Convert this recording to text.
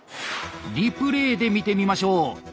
リプレーで見てみましょう。